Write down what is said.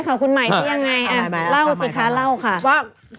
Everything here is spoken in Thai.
เอาเพชรใหม่แล้วสิคะเล่าค่ะ